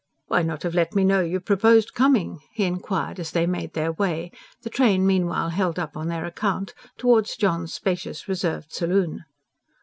"Why not have let me know you proposed coming?" he inquired as they made their way, the train meanwhile held up on their account, towards John's spacious, reserved saloon.